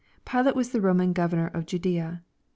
] Pilate was the Roman governor of Judaea.